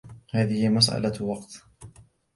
هذه مسألة وقت.